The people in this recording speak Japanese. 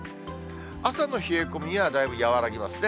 朝の冷え込みはだいぶ和らぎますね。